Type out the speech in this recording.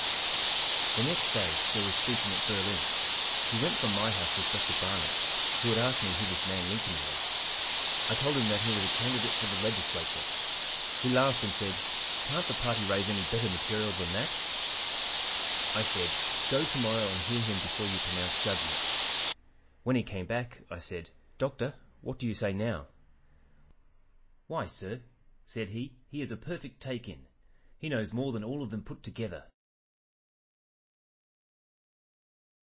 "The next day there was speaking at Berlin. He went from my house with Dr. Barnett, who had asked me who this man Lincoln was. I told him that he was a candidate for the Legislature. He laughed and said: "'Can't the party raise any better material than that?' "I said, 'Go to morrow and hear him before you pronounce judgment.' "When he came back I said, 'Doctor, what do you say now?' "'Why, sir,' said he, 'he is a perfect "take in." He knows more than all of them put together.'"